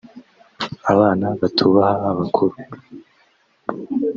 abana batubaha abakuru…”